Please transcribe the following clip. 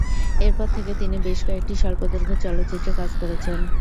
এর পর থেকে তিনি বেশ কয়েকটি স্বল্পদৈর্ঘ্যের চলচ্চিত্রে কাজ করেছেন।